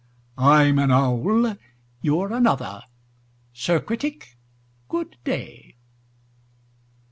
I'm an owl; you're another. Sir Critic, good day!"